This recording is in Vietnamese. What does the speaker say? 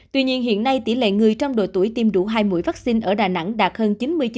tuy nhiên hiện nay tỷ lệ người trong độ tuổi tiêm đủ hai mũi vaccine ở đà nẵng đạt hơn chín mươi chín